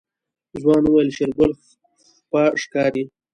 ځوان وويل شېرګل خپه ښکاري.